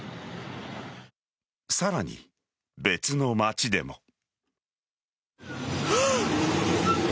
さらに、別の町でも。